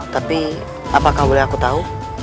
tapi apakah boleh aku tahu